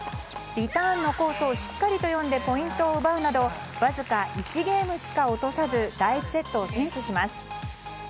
リターンのコースをしっかりと読んでポイントを奪うなどわずか１ゲームしか落とさず第１セットを先取します。